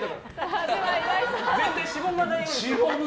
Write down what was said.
しぼまないように。